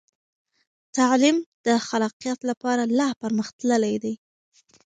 تعلیم د خلاقیت لپاره لا پرمخ تللی دی.